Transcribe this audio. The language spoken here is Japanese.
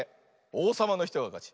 おうさまのひとがかち。